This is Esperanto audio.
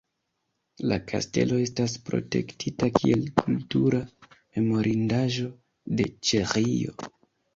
La kastelo estas protektita kiel kultura memorindaĵo de Ĉeĥio.